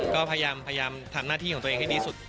ก็พยายามทำหน้าที่ของตัวเองให้ดีสุด